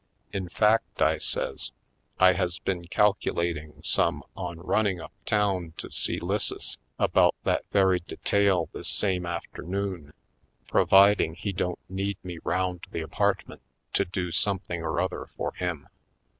In fact, I says, I has been calculating som.e on running up town to see 'Lisses about that very detail this same af ternoon providing he don't need me round the apartment to do something or other for him.